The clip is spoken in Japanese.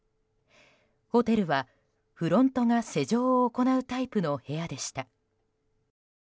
ホテルはフロントが施錠を行うタイプの部屋でした。